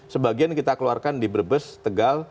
sebagian kita keluarkan di brebes tegal